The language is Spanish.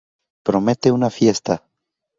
Promete una fiesta".